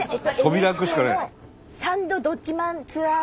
扉開くしかない。